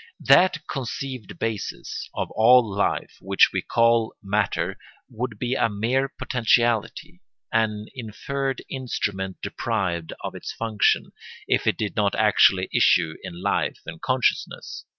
That conceived basis of all life which we call matter would be a mere potentiality, an inferred instrument deprived of its function, if it did not actually issue in life and consciousness.